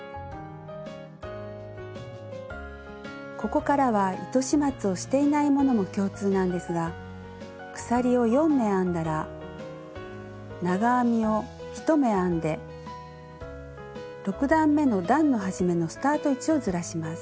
ここからは糸始末をしていないものも共通なんですが鎖を４目編んだら長編みを１目編んで６段めの段の始めのスタート位置をずらします。